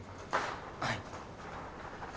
はい。